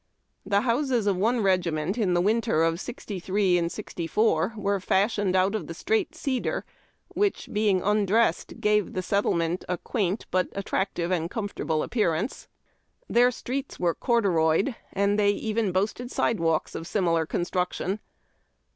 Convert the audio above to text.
The houses of one regiment in the winter of '63 4 were fashioned out of the straight cedar, which, being undressed, gave the settlement a quaint but attractive and comfortable appearance. Their streets were corduroyed, and they even boasted sidewalks of similar construction.